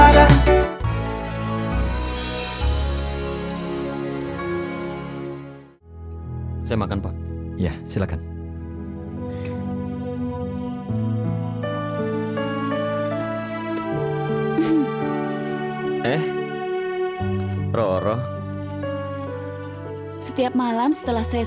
rasa ini tiba tiba ada